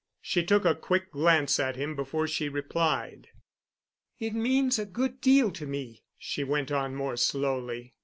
She took a quick glance at him before she replied. "It means a good deal to me," she went on more slowly.